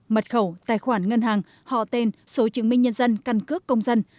mật khẩu tài khoản ngân hàng họ tên số chứng minh nhân dân căn cước công dân